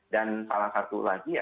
dan salah satu lagi adalah